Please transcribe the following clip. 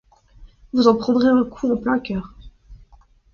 Vous en prendrez un coup en plein cœur.